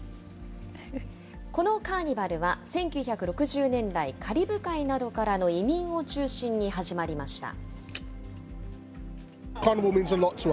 このカーニバルは１９６０年代、カリブ海などからの移民を中心に始まりました。